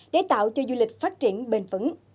để tạo cho du lịch phát triển bền vững